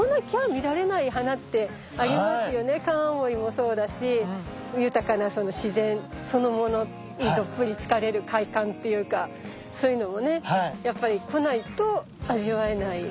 カンアオイもそうだし豊かな自然そのものにどっぷりつかれる快感っていうかそういうのもねやっぱり来ないと味わえないものですね。